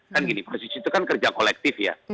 kan gini proses susi itu kan kerja kolektif ya